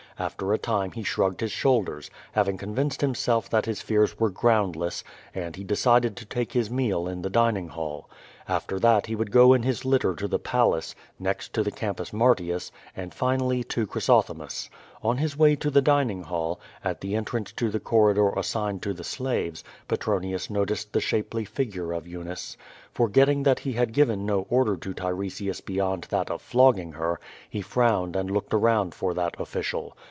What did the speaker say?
After a time he shrugged his shoulders, having convinced himself that his fears were groundless, and he decided to take his meal in the dining Eall. After that he would go in his litter to the Palace, next to the Campus Martins, and finally to Chrysothemis. On his way to the dining hall, at the entrance to the corridor assigned to the slaves, Petronius noticed the shapely figure of Eunice. For getting that he had given no order to Tiresias beyond that of flogging her, he frowned and looked around for that official.